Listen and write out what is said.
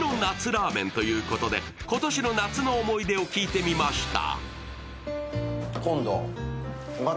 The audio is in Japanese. ラーメンということで、今年の夏の思い出を聞いてみました。